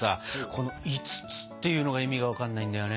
この５つっていうのが意味が分かんないんだよね。